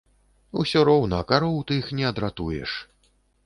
Усё роўна кароў тых не адратуеш.